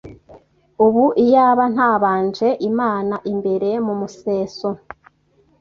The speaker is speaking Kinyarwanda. Ubu iyaba ntabanje Imana imbere mu museso